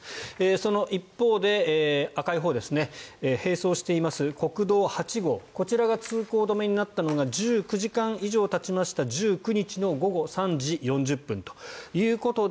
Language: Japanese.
その一方で、赤いほう並走しています国道８号こちらが通行止めになったのが１９時間以上たちました１９日の午後３時４０分ということで